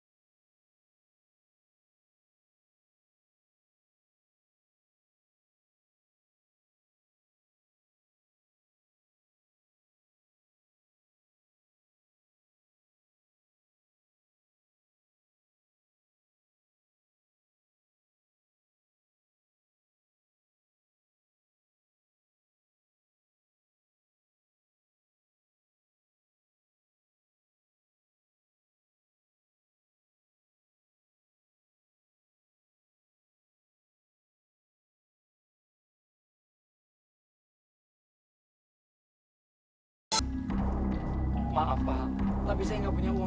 bang rumah abang dibakar bang